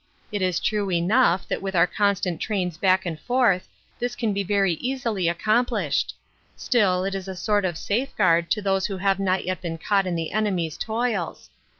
It is true enough, that with our constant trains back and forth, this can be very readily accomplished ; still, it is a sort of safe guard to those who have not yet been caught in the enemy's toils.